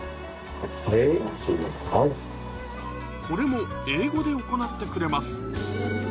これも英語で行ってくれます